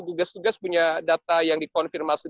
gugus tugas punya data yang dikonfirmasi